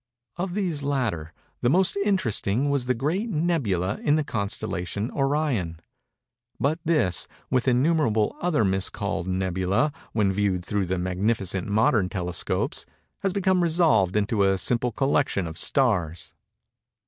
Of these latter the most interesting was the great "nebulæ" in the constellation Orion:—but this, with innumerable other mis called "nebulæ," when viewed through the magnificent modern telescopes, has become resolved into a simple collection of stars.